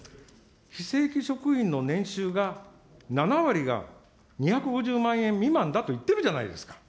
非正規職員の年収が、７割が２５０万円未満だといってるじゃないですか。